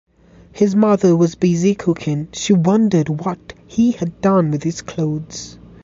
His mother was busy cooking; she wondered what he had done with his clothes.